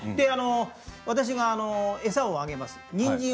私が餌をあげます。